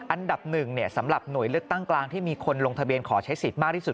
อันดับหนึ่งสำหรับหน่วยเลือกตั้งกลางที่มีคนลงทะเบียนขอใช้สิทธิ์มากที่สุด